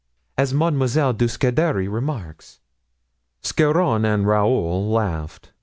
as Mademoiselle de Scudery remarks." Scarron and Raoul laughed.